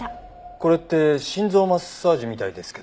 これって心臓マッサージみたいですけど。